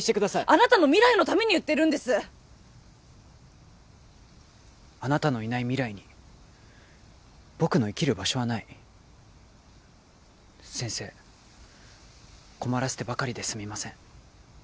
あなたの未来のために言ってるんですあなたのいない未来に僕の生きる場所はない先生困らせてばかりですみません